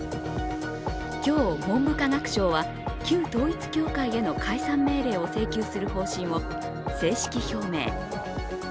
今日、文部科学省は旧統一教会への解散命令を請求する方針を正式表明。